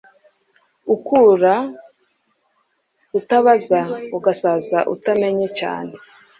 Ukura utabaza ugasaza utamenye cyane.”